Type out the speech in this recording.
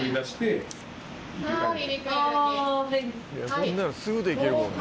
こんなのすぐできるもんね。